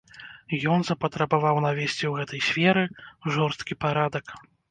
Ён запатрабаваў навесці ў гэтай сферы жорсткі парадак.